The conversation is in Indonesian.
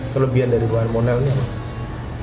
kelebihan dari buah monelnya